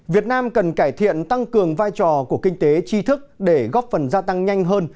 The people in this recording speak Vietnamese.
việt nam cần cải thiện tăng cường vai trò của kinh tế chi thức để góp phần gia tăng nhanh hơn